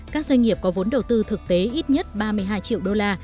các doanh nghiệp có vốn đầu tư thực tế ít nhất ba mươi hai triệu đô la